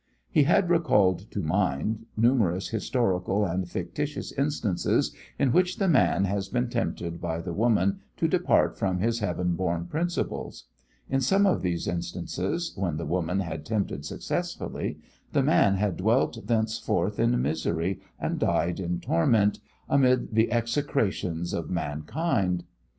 He had recalled to mind numerous historical and fictitious instances in which the man has been tempted by the woman to depart from his heaven born principles. In some of these instances, when the woman had tempted successfully, the man had dwelt thenceforth in misery and died in torment, amid the execrations of mankind.